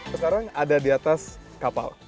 sekarang ada di atas kapal